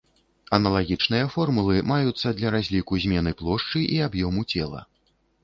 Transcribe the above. Аналагічныя формулы маюцца для разліку змены плошчы і аб'ёму цела.